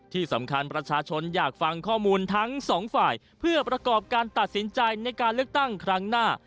ที่สำคัญประชาชนอยากฟังข้อมูลทั้งสองฝ่ายเพื่อประกอบการตัดสินใจในการเลือกตั้งครั้งหน้า